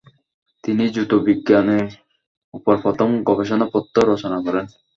তিনি জ্যোতির্বিজ্ঞানের উপর প্রথম গবেষণাপত্র রচনা করেন।